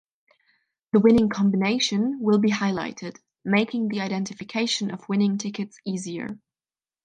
The winning combination will be highlighted, making the identification of winning tickets easier.